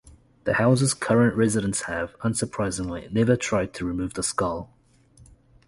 The house's current residents have, unsurprisingly, never tried to remove the skull.